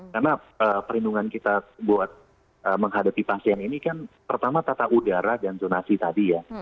karena perlindungan kita buat menghadapi pasien ini kan pertama tata udara dan zonasi tadi ya